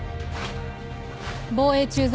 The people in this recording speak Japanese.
防衛駐在